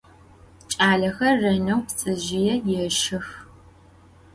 Ç'alexer rêneu ptsezjıê yêşşex.